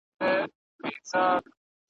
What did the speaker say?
یو وړوکی ځنګل را ګرځېدلی دی `